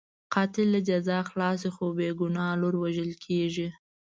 قاتل له جزا خلاص دی، خو بې ګناه لور وژل کېږي.